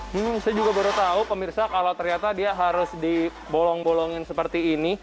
hmm saya juga baru tahu pemirsa kalau ternyata dia harus dibolong bolongin seperti ini